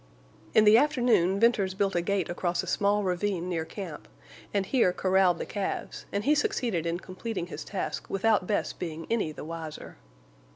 In the afternoon Venters built a gate across a small ravine near camp, and here corralled the calves; and he succeeded in completing his task without Bess being any the wiser.